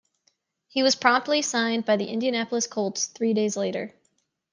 He was promptly signed by the Indianapolis Colts three days later.